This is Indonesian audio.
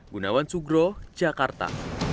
gunawan sugro jakarta